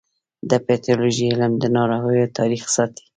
د پیتالوژي علم د ناروغیو تاریخ ساتي.